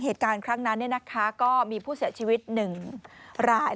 เหตุการณ์ครั้งนั้นเนี่ยนะคะก็มีผู้เสียชีวิตหนึ่งราย